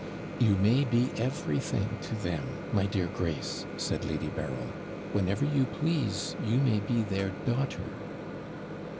'You may be everything to them, my dear Grace,' said Lady Berryl; 'whenever you please, you may be their daughter.'